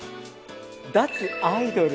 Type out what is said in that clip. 脱アイドル！